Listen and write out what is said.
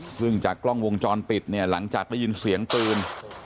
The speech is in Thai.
ซึ่งจากกล้องวงจรปิดเนี่ยหลังจากได้ยินเสียงปืน